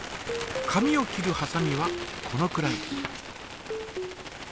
紙を切るはさみはこのくらい。